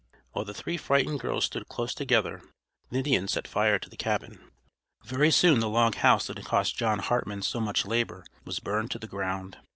While the three frightened girls stood close together the Indians set fire to the cabin. Very soon the log house that had cost John Hartman so much labor was burned to the ground.